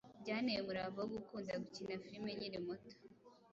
Byanteye umurava wo gukunda gukina filimi nkiri muto